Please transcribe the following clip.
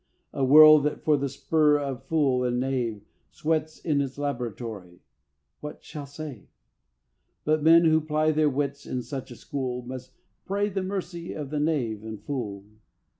A world that for the spur of fool and knave, Sweats in its laboratory, what shall save? But men who ply their wits in such a school, Must pray the mercy of the knave and fool.